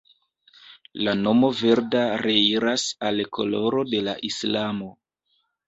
La nomo Verda reiras al koloro de la islamo.